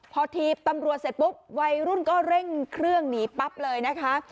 พอถีบตำรวจเสร็จปุ๊บวัยรุ่นก็เร่งเครื่องหนีปั๊บเลยนะคะ